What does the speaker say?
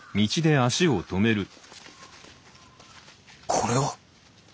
これは。